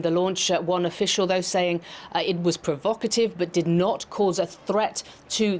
seorang pekerja mengatakan bahwa ini adalah provokasi tapi tidak menyebabkan penyakit kepada tni